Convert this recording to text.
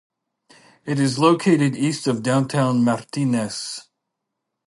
It is located east of downtown Martinez.